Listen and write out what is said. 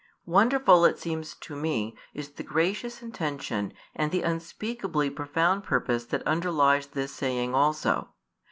Wonderful, it seems to me, is the gracious intention and the unspeakably profound purpose that underlies this saying also.